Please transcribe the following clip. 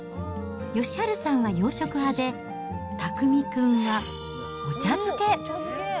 義治さんは洋食派で、拓海君はお茶漬け。